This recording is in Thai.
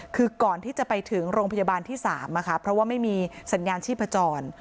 คือก่อนที่จะไปถึงโรงพยาบาลที่๓เพราะว่าไม่มีสัญญาณชีพจร